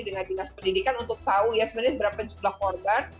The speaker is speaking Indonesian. dengan dinas pendidikan untuk tahu ya sebenarnya berapa jumlah korban